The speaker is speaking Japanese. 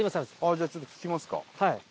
じゃあちょっと聴きますか。